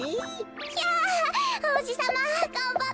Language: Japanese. ひゃおうじさまがんばって！